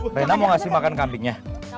rena mau ngasih makan kambingnya